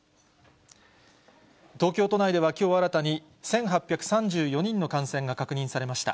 東京都内ではきょう新たに、１８３４人の感染が確認されました。